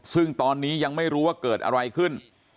ซึ่งตอนนี้ยังไม่รู้ว่าเกิดอะไรขึ้น